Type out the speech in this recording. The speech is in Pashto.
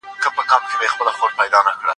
موږ له کړکۍ څخه ډبره چاڼ کړه.